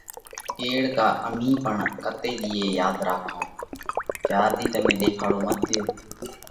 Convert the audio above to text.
ڪيڙ ڪا امهين پڻ ڪتا ۮِي ياڌ راکئه؟ چار ۮِي تمي ۮيکاڙو مت ۮيو،